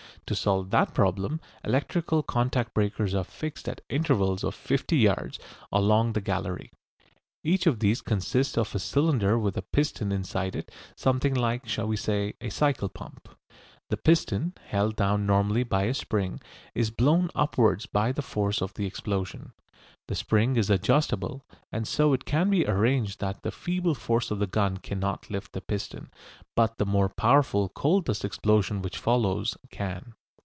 To solve that problem electrical contact breakers are fixed at intervals of fifty yards along the gallery. Each of these consists of a cylinder with a piston inside it something like, shall we say, a cycle pump. The piston, held down normally by a spring, is blown upwards by the force of the explosion. The spring is adjustable, and so it can be arranged that the feeble force of the gun cannot lift the piston, but the more powerful coal dust explosion which follows can.